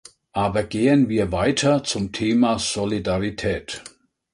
Aber gehen wir weiter zum Thema Solidarität.